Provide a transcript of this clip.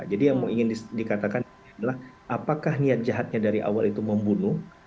jadi yang ingin dikatakan adalah apakah niat jahatnya dari awal itu membunuh